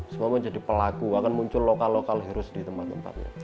semua menjadi pelaku akan muncul lokal lokal heroes di tempat tempatnya